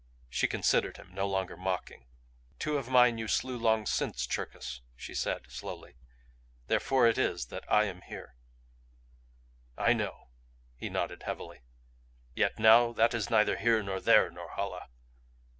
She considered him, no longer mocking. "Two of mine you slew long since, Cherkis," she said, slowly. "Therefore it is I am here." "I know," he nodded heavily. "Yet now that is neither here nor there, Norhala.